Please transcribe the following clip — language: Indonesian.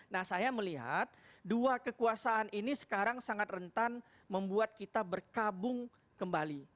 nah saya melihat dua kekuasaan ini sekarang sangat rentan membuat kita berkabung kembali